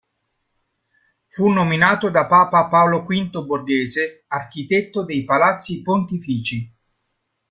Fu nominato da papa Paolo V Borghese architetto dei palazzi pontifici.